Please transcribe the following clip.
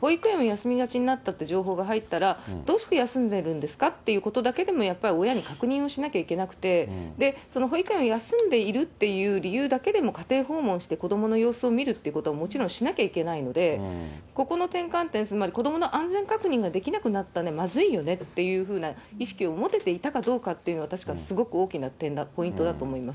保育園を休みがちになったっていう情報が入ったら、どうして休んでるんですかっていうことだけでも、やっぱり親に確認をしなくてはいけなくて、保育園を休んでいるっていう理由だけでも、家庭訪問して子どもの様子を見るっていうことはもちろんしなきゃいけないので、ここの転換点、つまり子どもの安全確認ができなくなったら、まずいよねっていうような意識を持てていたかどうかっていうのは、確かにすごく大きなポイントだと思います。